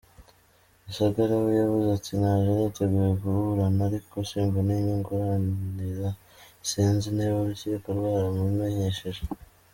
Rusagara we yavuze ati “Naje niteguye kuburana, ariko simbona unyunganira, sinzi niba urukiko rwaramumenyesheje.